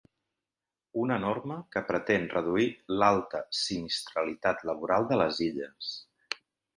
Una norma que pretén reduir l’alta sinistralitat laboral de les Illes.